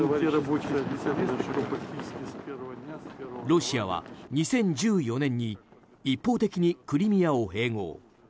ロシアは２０１４年に一方的にクリミアを併合。